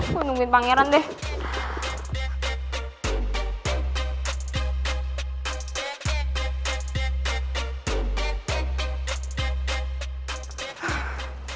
gue nungguin pangeran deh